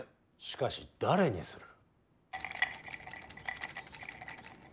しかし誰にする。